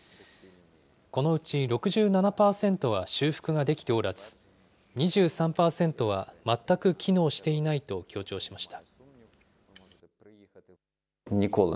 このうち６７％は修復ができておらず、２３％は全く機能していないと強調しました。